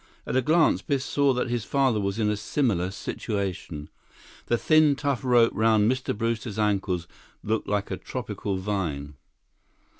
At a glance, Biff saw that his father was in a similar situation. The thin, tough rope around Mr. Brewster's ankles looked like a tropical vine.